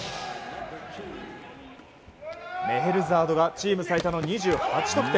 メヘルザードがチーム最多の２８得点。